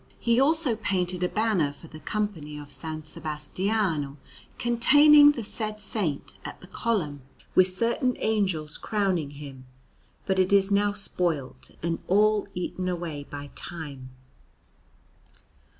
He also painted a banner for the Company of S. Sebastiano, containing the said Saint at the column, with certain angels crowning him; but it is now spoilt and all eaten away by time.